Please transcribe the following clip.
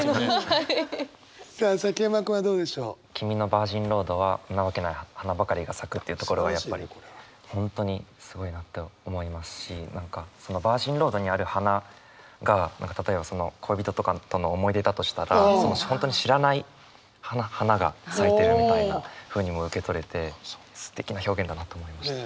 さあ崎山君はどうでしょう？っていうところがやっぱり本当にすごいなと思いますし何かそのヴァージンロードにある花が例えばその恋人とかとの思い出だとしたら本当に知らない花が咲いてるみたいなふうにも受け取れてすてきな表現だなと思いました。